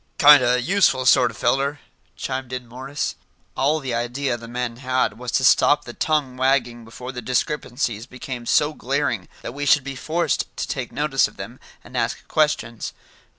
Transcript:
"Kind o' useful sort er feller," chimed in Morris. All the idea the men had was to stop the tongue wagging before the discrepancies became so glaring that we should be forced to take notice of them, and ask questions.